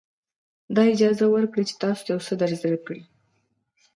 دا اجازه ورکړئ چې تاسو ته یو څه در زده کړي.